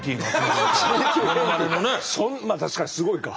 まあ確かにすごいか。